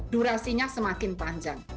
durasinya semakin panjang